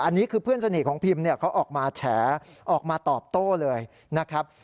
อันนี้คือเพื่อนสนิทของพิมเนี่ยเขาออกมาแฉออกมาตอบโต้เลยนะครับ